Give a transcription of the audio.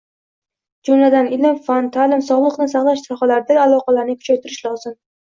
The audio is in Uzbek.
jumladan, ilm-fan, ta’lim, sog‘liqni saqlash sohalaridagi aloqalarni kuchaytirish lozim.